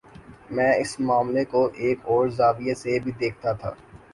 میں اس معاملے کوایک اور زاویے سے بھی دیکھتا تھا۔